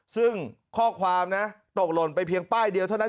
ซึ่งข้อความนะตกหล่นไปเพียงป้ายเดียวเท่านั้น